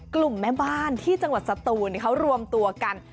กลุ่มแม่บ้านที่จังหวัดสตูนเขารวมตัวกัน